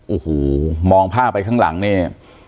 โอ้โหมองภาพไปข้างหลังเนี่ย